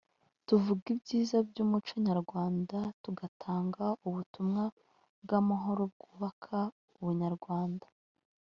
“Tuvuga ibyiza by’umuco nyarwanda tugatanga ubutumwa bw’amahoro bwubaka ubunyarwanda